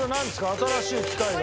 新しい機械が。